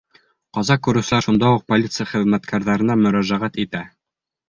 Ҡаза күреүселәр шунда уҡ полиция хеҙмәткәрҙәренә мөрәжәғәт итә.